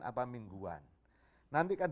apa mingguan nanti kan